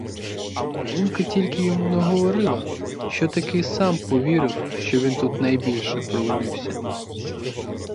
Жінка тільки йому наговорила, що таки сам повірив, що він тут найбільше провинився.